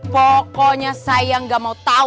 pokoknya saya gak mau tahu